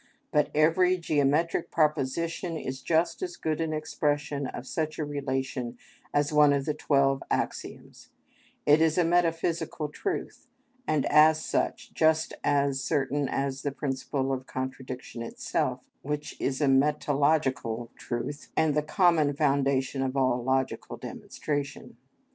But every geometrical proposition is just as good an expression of such a relation as one of the twelve axioms; it is a metaphysical truth, and as such, just as certain as the principle of contradiction itself, which is a metalogical truth, and the common foundation of all logical demonstration.